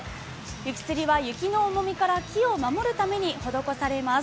雪つりは雪の重みから木を守るために施されます。